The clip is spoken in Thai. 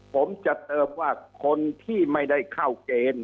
ผมจะเติมว่าคนที่ไม่ได้เข้าเกณฑ์